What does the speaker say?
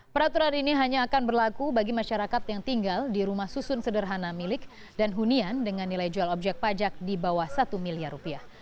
peraturan ini hanya akan berlaku bagi masyarakat yang tinggal di rumah susun sederhana milik dan hunian dengan nilai jual objek pajak di bawah satu miliar rupiah